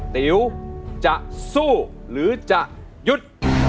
ติ๋วจะสู้หรือจะหยุด